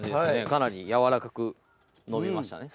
かなりやわらかく伸びましたね